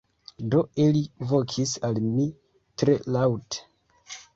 Do, ili vokis al mi tre laŭte: